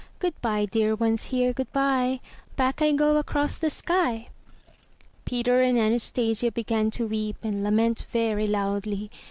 Good bye, dear ones here, good bye. Back I go across the sky!" Peter and Anastasia began to weep and lament very loudly.